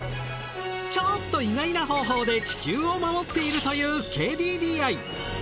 ちょっと意外な方法で地球を守っているというＫＤＤＩ。